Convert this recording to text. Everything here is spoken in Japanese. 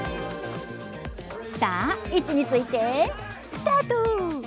さあ、位置についてスタート。